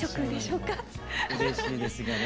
うれしいですよね。